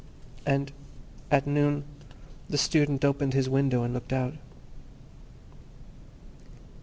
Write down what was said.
And at noon the Student opened his window and looked out.